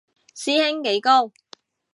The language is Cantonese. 師兄幾高